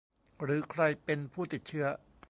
หรือใครเป็นผู้ติดเชื้อ